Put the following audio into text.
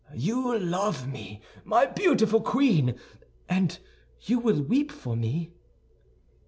You love me, my beautiful queen, and you will weep for me?"